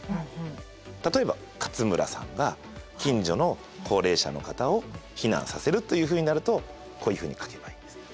例えば勝村さんが近所の高齢者の方を避難させるというふうになるとこういうふうに書けばいいんです。